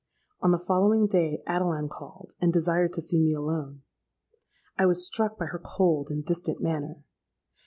On the following day Adeline called, and desired to see me alone. I was struck by her cold and distant manner.